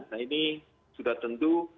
nah ini sudah tentu